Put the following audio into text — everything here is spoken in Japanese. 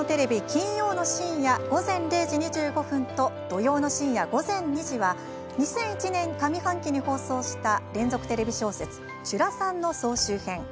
金曜の深夜、午前０時２５分と土曜の深夜、午前２時は２００１年上半期に放送した連続テレビ小説「ちゅらさん」の総集編。